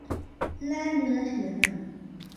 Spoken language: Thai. แล่เนื้อเถือหนัง